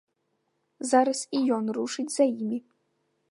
Зараз і ён рушыць за імі.